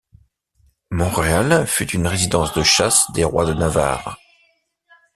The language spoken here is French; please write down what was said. Monreal fut une résidence de chasse des rois de Navarre.